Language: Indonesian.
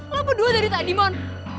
lo berdua tadi tak dimon